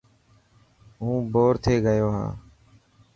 هون بور ٿي گيو هان.